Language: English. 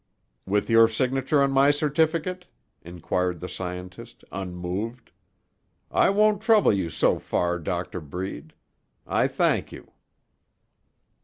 "With your signature on my certificate?" inquired the scientist, unmoved. "I won't trouble you so far, Doctor Breed. I thank you."